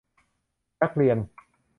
นักเรียน